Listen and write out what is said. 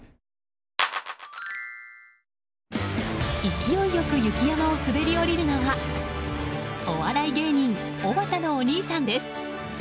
勢いよく雪山を滑り降りるのはお笑い芸人おばたのお兄さんです。